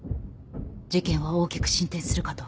事件は大きく進展するかと。